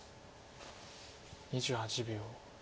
２８秒。